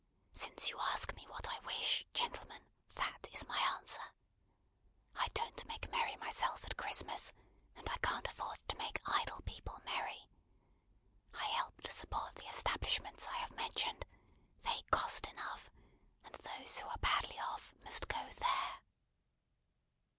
"Since you ask me what I wish, gentlemen, that is my answer. I don't make merry myself at Christmas and I can't afford to make idle people merry. I help to support the establishments I have mentioned they cost enough; and those who are badly off must go there."